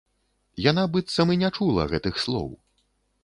Яна быццам і не чула гэтых слоў.